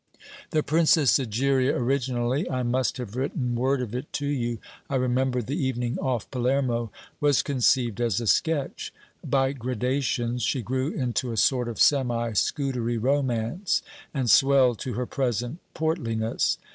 'THE PRINCESS EGERIA' originally (I must have written word of it to you I remember the evening off Palermo!) was conceived as a sketch; by gradations she grew into a sort of semi Scudery romance, and swelled to her present portliness.